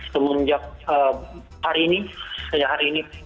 semenjak hari ini